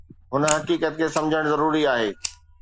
هن حقيقت کي سمجهڻ ضروري آهي